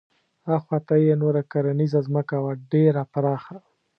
اخواته یې نوره کرنیزه ځمکه وه ډېره پراخه.